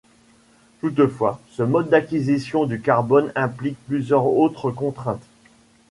Toutefois, ce mode d'acquisition du carbone implique plusieurs autres contraintes.